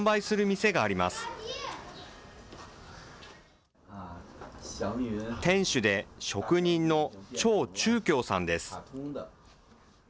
店主で職人の張忠強さんです。